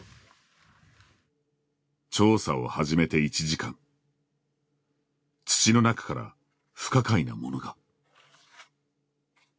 調査を始めて１時間土の中から不可解なものが。